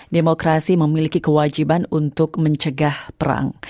demokrasi memiliki kewajiban untuk mencegah perang